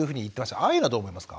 ああいうのはどう思いますか？